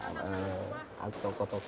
sehingga memungkinkan melakukan tergaman politik